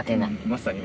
まさに。